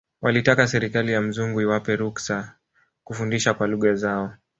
Walitaka serikali ya mzungu iwape ruksa kufundisha kwa lugha zao